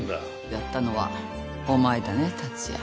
やったのはお前だね達也。